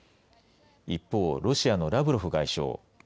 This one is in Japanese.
一方、ロシアのラブロフ外相。